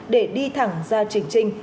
để đi thẳng ra trình trinh